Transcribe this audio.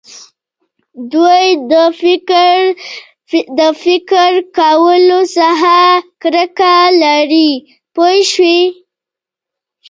دوی د فکر کولو څخه کرکه لري پوه شوې!.